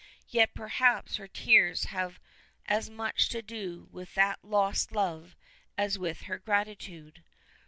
Yet perhaps her tears have as much to do with that lost love as with her gratitude.